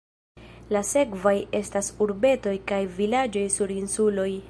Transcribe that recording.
La sekvaj estas urbetoj kaj vilaĝoj sur insuloj.